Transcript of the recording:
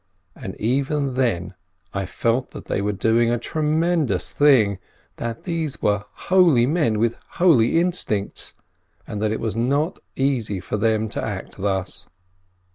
But even then I felt that they were doing a tremendous thing, that they were holy men with holy instincts, and that it was not easy for them to act thus.